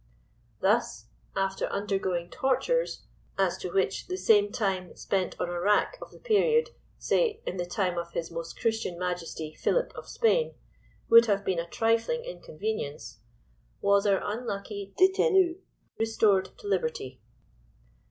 Thus, after undergoing tortures, as to which the same time spent on a rack of the period—say in the time of His Most Christian Majesty, Philip of Spain—would have been a trifling inconvenience, was our unlucky détenu restored to liberty.